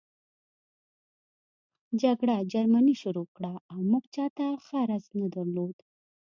جګړه جرمني شروع کړه او موږ چاته غرض نه درلود